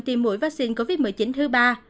tiêm mũi vaccine covid một mươi chín thứ ba